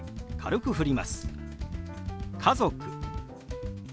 「家族」。